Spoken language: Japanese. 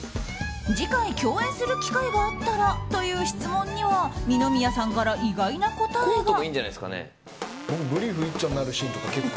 次回、共演する機会があったらという質問には二宮さんから意外な答えが。